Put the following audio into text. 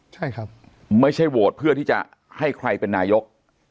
ใช่ครับไม่ใช่โหวตเพื่อที่จะให้ใครเป็นนายก